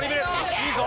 いいぞ。